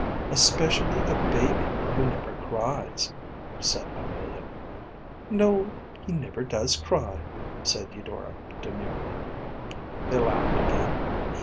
“Especially a baby who never cries,‚ÄĚ said Amelia. “No, he never does cry,‚ÄĚ said Eudora, demurely. They laughed again.